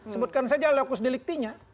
sebutkan saja lokus deliktinya